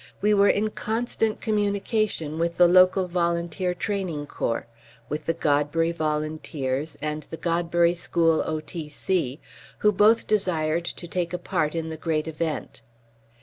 We were in constant communication with the local Volunteer Training Corps; with the Godbury Volunteers and the Godbury School O.T.C., who both desired to take a part in the great event.